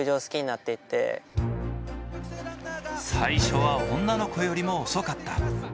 最初は女の子よりも遅かった。